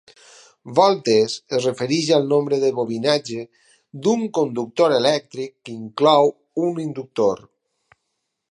"Voltes" es refereix al nombre de bobinatge d'un conductor elèctric que inclou un inductor.